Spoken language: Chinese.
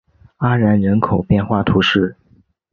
阿然人口变化图示